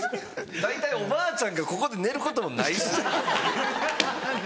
大体おばあちゃんがここで寝ることもないしね。